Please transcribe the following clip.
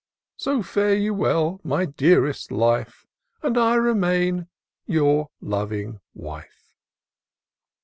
So fare you well, my dearest life,— And I remain your loving wife."